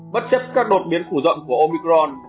bất chấp các đột biến cổ rộng của omicron